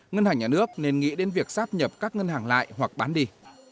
ngân hàng nhà nước nên nghĩ đến việc sáp nhập các ngân hàng lại hoặc bán đi